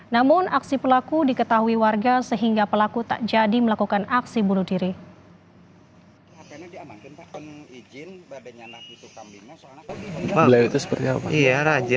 namun aksi pelaku diketahui warga sehingga pelaku tak jadi melakukan aksi bunuh diri